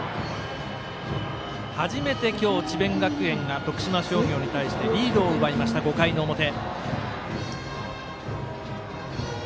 初めて今日、智弁学園が徳島商業に対してリードを奪いました、５回の表。